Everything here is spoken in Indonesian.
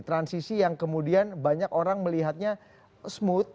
transisi yang kemudian banyak orang melihatnya smooth